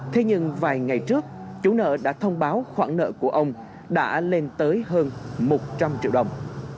thế nhưng vài ngày trước chủ nợ đã thông báo khoản nợ của ông đã lên tới hơn một trăm linh triệu đồng